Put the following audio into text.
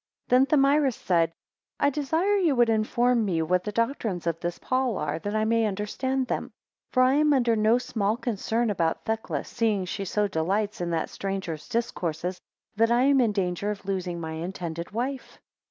3 Then Thamyris said, I desire ye would inform me what the doctrines of this Paul are, that I may understand them; for I am under no small concern about Thecla, seeing she so delights in that stranger's discourses, that I am in danger of losing my intended wife.